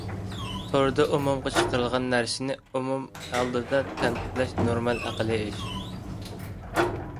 توردا ئومۇمغا چىقىرىلغان نەرسىنى ئومۇم ئالدىدا تەنقىدلەش نورمال ئەقەللىي ئىش.